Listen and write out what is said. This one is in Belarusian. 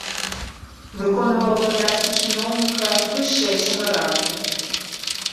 Выконваў абавязкі чыноўніка вышэйшага рангу.